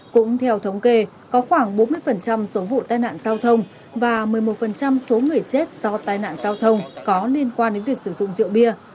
cũng theo thống kê có khoảng bốn mươi số vụ tai nạn giao thông và một mươi một số người chết do tai nạn giao thông có liên quan đến việc sử dụng rượu bia